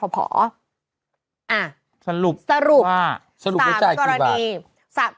สรุปว่าสรุปก็จ่ายกี่บาท